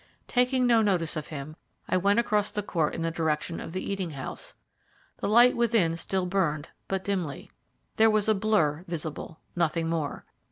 Taking no notice of him, I went across the court in the direction of the eating house. The light within still burned, but dimly. There was a blur visible, nothing more.